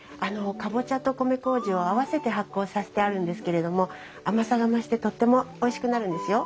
カボチャと米麹を合わせて発酵させてあるんですけれども甘さが増してとってもおいしくなるんですよ。